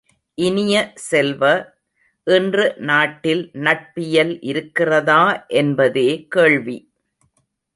இனிய செல்வ, இன்று நாட்டில் நட்பியல் இருக்கிறதா என்பதே கேள்வி!